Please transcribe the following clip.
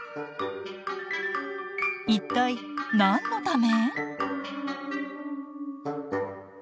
一体何のため？